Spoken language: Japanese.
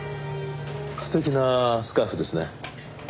素敵なスカーフですね。